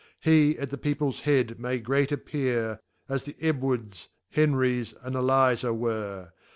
He at the Peoples Head, may great appear, As th' Edward'^Henry >,,< and Eli%a were.